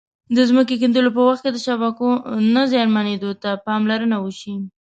د ځمکې کیندلو په وخت کې د شبکو نه زیانمنېدو ته پاملرنه وشي.